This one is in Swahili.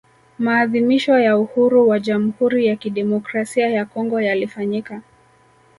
Maadhimisho ya uhuru wa Jamhuri ya Kidemokrasia ya Kongo yalifanyika